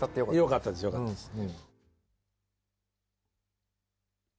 よかったですよかったです。